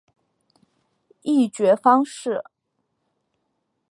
议决方式